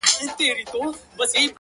o د سترګو کي ستا د مخ سُرخي ده،